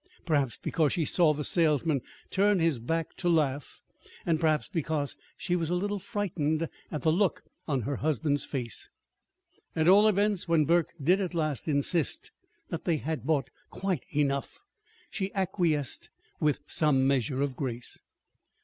Perhaps because she saw the salesman turn his back to laugh, and perhaps because she was a little frightened at the look on her husband's face. At all events, when Burke did at last insist that they had bought quite enough, she acquiesced with some measure of grace.